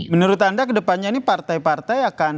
menurut anda kedepannya ini partai partai akan